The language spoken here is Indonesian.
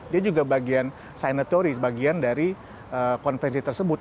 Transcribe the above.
dia juga bagian sinatory bagian dari konvensi tersebut